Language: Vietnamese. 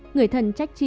người thân trách trị